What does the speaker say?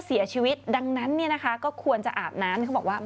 เสียชีวิตดังนั้นเนี่ยนะคะก็ควรจะอาบน้ำเขาบอกว่า